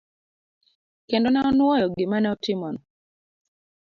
Kendo ne onuoyo gima ne otimono.